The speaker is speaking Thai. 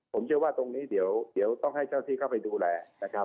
ผมเชื่อว่าตรงนี้เดี๋ยวต้องให้เจ้าที่เข้าไปดูแลนะครับ